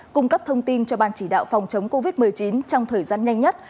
cung cấp thông tin cho ban chỉ đạo phòng chống covid một mươi chín trong thời gian nhanh nhất